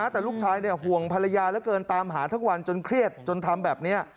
แต่ลูกชายห่วงภรรยาเหลือเกินตามหาทั้งวันจนเครียดจนทำแบบนี้